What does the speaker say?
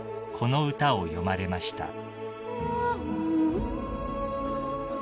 この歌を詠まれました］